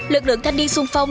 lực lượng thanh niên xuân phong